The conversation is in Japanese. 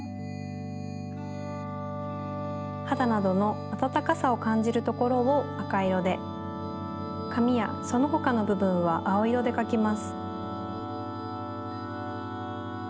はだなどのあたたかさをかんじるところをあかいろでかみやそのほかのぶぶんはあおいろでかきます。